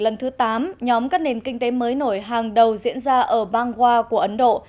lần thứ tám nhóm các nền kinh tế mới nổi hàng đầu diễn ra ở bangwa của ấn độ